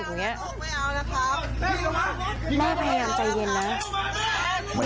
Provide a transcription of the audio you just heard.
แม่พยายามใจเย็นนะ